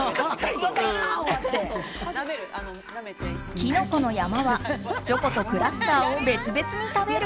きのこの山はチョコとクラッカーを別々に食べる。